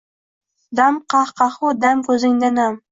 Dam qah-qahu, dam ko’zingda nam